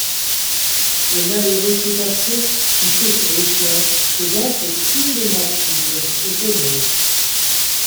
Le malheureux cétacé, couché sur le flanc, le ventre troué de morsures, était mort.